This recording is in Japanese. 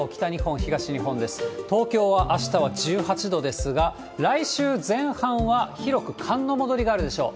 東京はあしたは１８度ですが、来週前半は広く寒の戻りがあるでしょう。